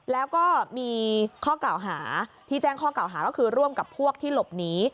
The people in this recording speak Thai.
แล้วก็มีข้อกล่าวหาที่แจ้งข้อกล่าวหาก็คือร่วมกับพวกที่หลบหนี